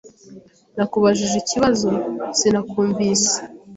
"Nakubajije ikibazo." "Sinakumvise."